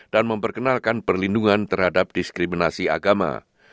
dan memperkenalkan perlindungan terhadap diskriminasi agama